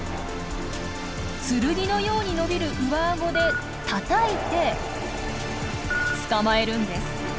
剣のように伸びる上アゴでたたいて捕まえるんです。